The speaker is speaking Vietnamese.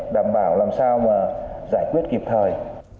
và giải quyết kịp thời